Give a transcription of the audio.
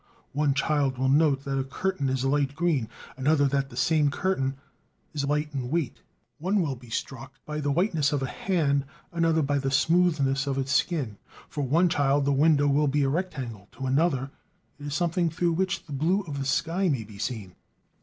One child will note that a curtain is light green; another that the same curtain is light in weight; one will be struck by the whiteness of a hand, another by the smoothness of its skin. For one child the window will be a rectangle; to another it is something through which the blue of the sky may be seen.